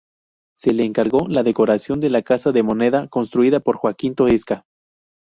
Se le encargo la decoración de la Casa de Moneda construida por Joaquín Toesca.